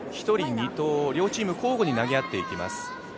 １人２投、両チーム交互に投げ合っていきます。